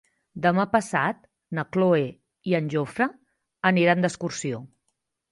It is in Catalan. Demà passat na Cloè i en Jofre aniran d'excursió.